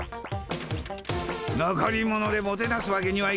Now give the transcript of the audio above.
残り物でもてなすわけにはいかん。